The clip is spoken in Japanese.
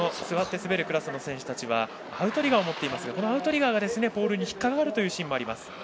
座って滑るクラスの選手たちはアウトリガーを持っていますがこのアウトリガーがポールに引っかかるシーンもあります。